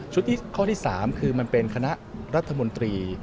ข้อที่๓คือมันเป็นคณะรัฐมนตรี